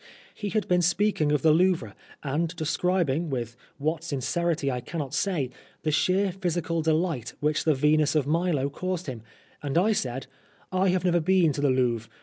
He had been speaking of the Louvre, and describing, with what sincerity I cannot say, the sheer physical delight which the Venus of Milo caused him, and I said, " I have never been to the Louvre.